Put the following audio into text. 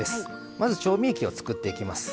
まず調味液を作っていきます。